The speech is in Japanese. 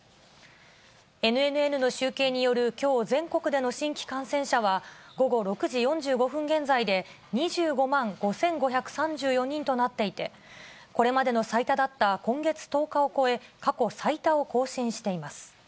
ＮＮＮの集計によるきょう全国での新規感染者は、午後６時４５分現在で２５万５５３４人となっていて、これまでの最多だった今月１０日を超え、過去最多を更新しています。